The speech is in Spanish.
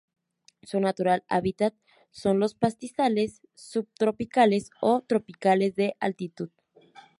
Su natural hábitat son los pastizales subtropicales o tropicales de altitud.